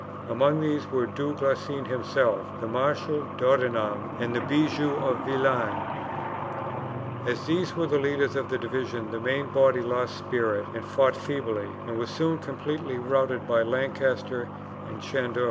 Among these were Du Guesclin himself, the Marshal D'Audenham, and the Bigue de Vilaines. As these were the leaders of the division, the main body lost spirit and fought feebly, and were soon completely routed by Lancaster and Chandos.